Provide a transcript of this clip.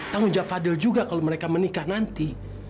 tanggung jawab fadil juga kalau mereka menikah nanti